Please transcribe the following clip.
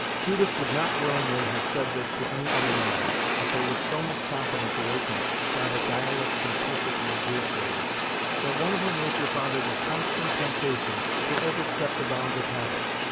Judith would not willingly have said this to any other man, but there was so much confidence awakened by the guileless simplicity of Deerslayer, that one of her nature found it a constant temptation to overstep the bounds of habit.